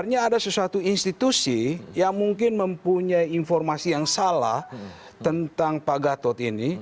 sebenarnya ada sesuatu institusi yang mungkin mempunyai informasi yang salah tentang pak gatot ini